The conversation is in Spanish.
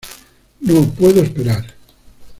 No puedo esperar.